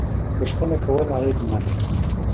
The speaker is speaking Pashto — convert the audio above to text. پوښتنه کول عيب نه دی.